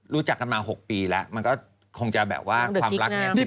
รู้จักกันมา๖ปีแล้วมันก็คงจะแบบว่าความรักเนี่ย